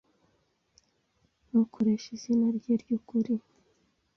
Ntukoreshe izina rye ryukuri.